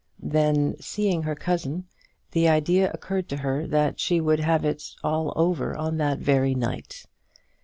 Then, seeing her cousin, the idea occurred to her that she would have it all over on that very night.